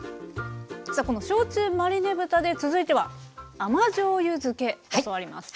さあこの焼酎マリネ豚で続いては甘じょうゆ漬け教わります。